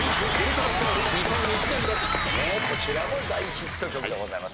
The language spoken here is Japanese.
こちらも大ヒット曲でございます。